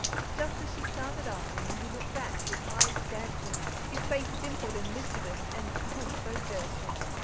Just as she, started after him he looked back, his eyes dancing, his face dimpled and mischievous, and, oh! so dirty..